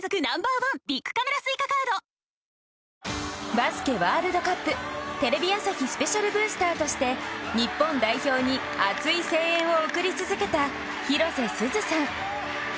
バスケワールドカップテレビ朝日スペシャルブースターとして日本代表に熱い声援を送り続けた広瀬すずさん。